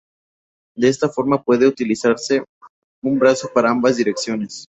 De esta forma puede utilizarse un brazo para ambas direcciones.